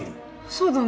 そうだね。